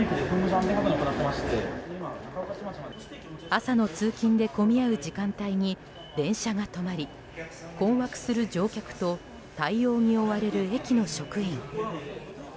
朝の通勤で混み合う時間帯に電車が止まり困惑する乗客と対応に追われる駅の職員。